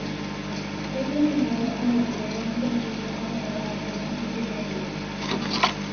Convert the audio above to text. Fue condenado a morir en la guillotina a la edad de veintisiete años.